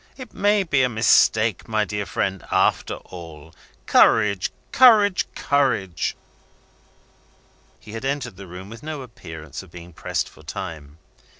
It may be a mistake, my dear friend, after all. Courage! courage! courage!" He had entered the room with no appearance of being pressed for time.